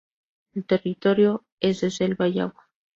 El territorio es de selva y agua.